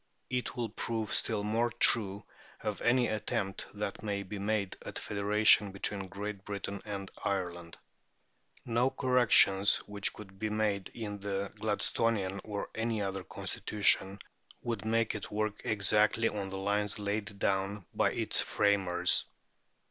It will prove still more true of any attempt that may be made at federation between Great Britain and Ireland. No corrections which could be made in the Gladstonian or any other constitution would make it work exactly on the lines laid down by its framers.